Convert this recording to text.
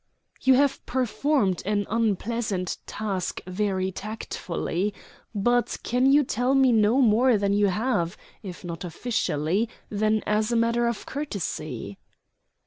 "You have performed an unpleasant task very tactfully. But can you tell me no more than you have if not officially, then as a matter of courtesy?"